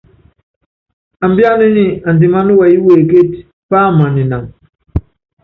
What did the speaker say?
Ambíaná nyi andimáná wɛyí wekétí, pámaninan.